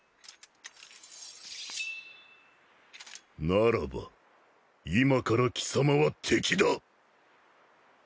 ならば今から貴様は敵だ。